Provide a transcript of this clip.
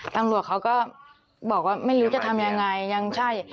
ตำรวจเขาก็บอกว่าไม่รู้จะทำยังไงยังใช่